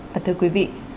và thưa quý vị